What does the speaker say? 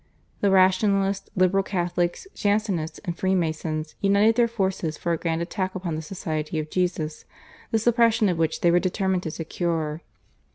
The Rationalists, liberal Catholics, Jansenists, and Freemasons united their forces for a grand attack upon the Society of Jesus, the suppression of which they were determined to secure.